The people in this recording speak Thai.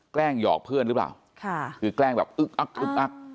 แกล้งหยอกเพื่อนหรือเปล่าค่ะคือแกล้งแบบอึกอักอึกอัก